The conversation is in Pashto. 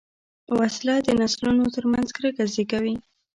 وسله د نسلونو تر منځ کرکه زېږوي